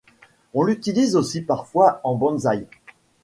On l'utilise aussi parfois en bonsaï.